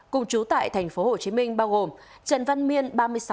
cùng chú tại thành phố hồ chí minh bao gồm trần văn miên ba mươi sáu